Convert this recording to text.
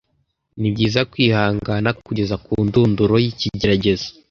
ni byiza kwihangana kugeza ku ndunduro y’ikigeragezo